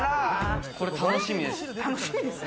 これ楽しみです。